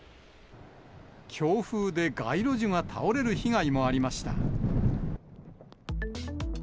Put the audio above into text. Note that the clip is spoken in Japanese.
強風で街路樹が倒れる被害もありました。